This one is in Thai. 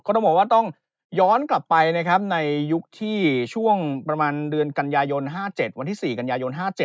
จะต้องย้อนกลับไปในช่วงประมาณประจามวันที่๔กัญญา๑๗๕๗